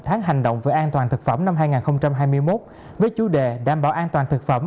tháng hành động về an toàn thực phẩm năm hai nghìn hai mươi một với chủ đề đảm bảo an toàn thực phẩm